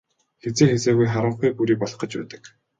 Хэзээ хэзээгүй харанхуй бүрий болох гэж байдаг.